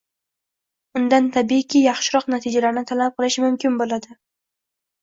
undan, tabiiyki, yaxshiroq natijalarni talab qilish mumkin bo‘ladi.